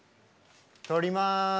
撮ります！